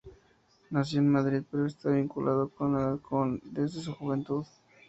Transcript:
Nació en Madrid pero está vinculado con Alcorcón desde su juventud.